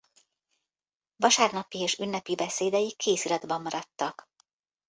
Vasárnapi és ünnepi beszédei kéziratban maradtak.